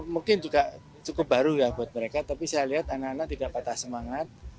mungkin juga cukup baru ya buat mereka tapi saya lihat anak anak tidak patah semangat